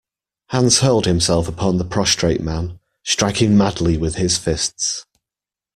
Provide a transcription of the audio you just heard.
Hans hurled himself upon the prostrate man, striking madly with his fists.